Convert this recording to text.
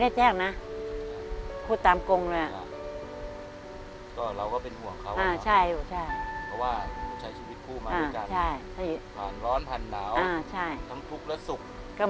วันหนึ่งก็ตอนนี้รับได้หรือยัง